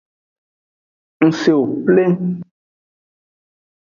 Ngsewo pleng.